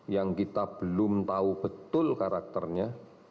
yang kita belum tahu betul karakternya